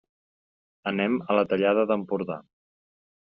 Anem a la Tallada d'Empordà.